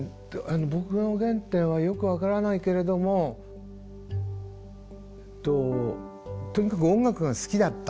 僕の原点はよく分からないけれどもとにかく音楽が好きだった。